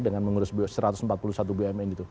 dengan mengurus satu ratus empat puluh satu bmi gitu